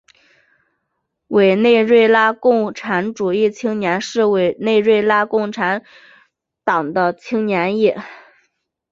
委内瑞拉共产主义青年是委内瑞拉共产党的青年翼。